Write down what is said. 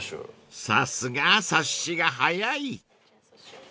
［さすが察しが早い］